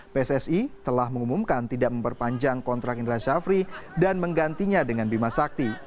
pssi telah mengumumkan tidak memperpanjang kontrak indra syafri dan menggantinya dengan bima sakti